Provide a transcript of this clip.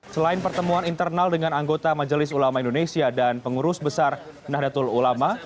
selain pertemuan internal dengan anggota majelis ulama indonesia dan pengurus besar nahdlatul ulama